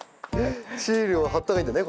シールを貼った方がいいんだね